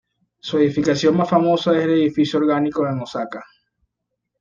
Su edificación más famosa es el "Edificio orgánico" en Osaka.